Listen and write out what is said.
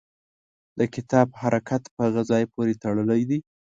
د کتاب حرکت په هغه ځای پورې تړلی دی.